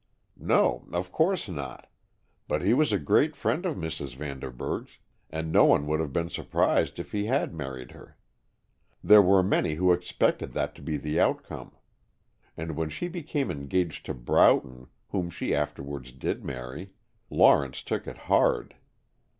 "No, of course not. But he was a great friend of Mrs. Vanderburg's, and no one would have been surprised if he had married her. There were many who expected that to be the outcome. And when she became engaged to Broughton, whom she afterwards did marry, Lawrence took it hard.